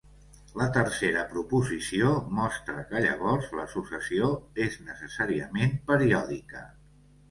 La tercera proposició mostra que llavors la successió és necessàriament periòdica.